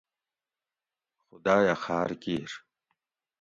خداۤیہ خاۤر کِیر